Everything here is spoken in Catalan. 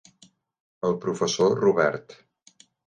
El professor Robert.